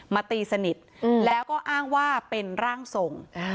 ตีสนิทแล้วก็อ้างว่าเป็นร่างทรง